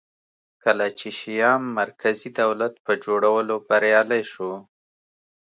کله چې شیام مرکزي دولت په جوړولو بریالی شو